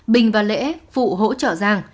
bình và lễ phụ hỗ trợ giang